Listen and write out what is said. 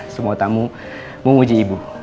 semua tamu memuji ibu